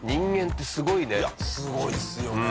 すごいっすよね。